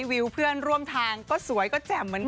วิวเพื่อนร่วมทางก็สวยก็แจ่มเหมือนกัน